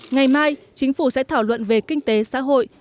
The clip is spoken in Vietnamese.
ngày mai chính phủ sẽ thảo luận về kinh tế xã hội